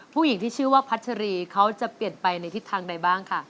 ผู้หญิงที่ชื่อว่าพัชรีเขาจะเปลี่ยนไปในทิศทางใดบ้างค่ะ